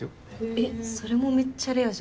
えっそれもめっちゃレアじゃん。